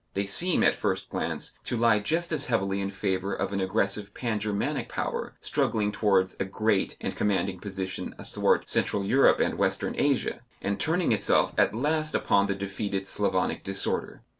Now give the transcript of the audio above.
They seem, at the first glance, to lie just as heavily in favour of an aggressive Pan Germanic power struggling towards a great and commanding position athwart Central Europe and Western Asia, and turning itself at last upon the defeated Slavonic disorder.